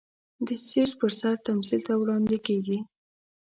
د سټېج پر سر تمثيل ته وړاندې کېږي.